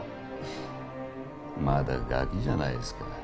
フッまだガキじゃないですか。